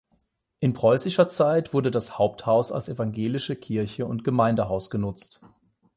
In preußischer Zeit wurde das Haupthaus als evangelische Kirche und Gemeindehaus genutzt.